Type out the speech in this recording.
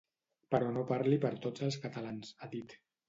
Però no parli per tots els catalans, ha dit.